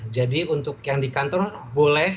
jadi untuk yang di kantor boleh